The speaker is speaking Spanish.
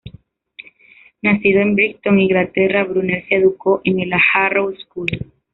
Nacido en Brighton, Inglaterra, Brunel se educó en la Harrow School.